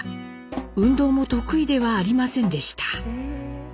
運動も得意ではありませんでした。